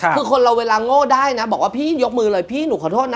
คือคนเราเวลาโง่ได้นะบอกว่าพี่ยกมือเลยพี่หนูขอโทษนะ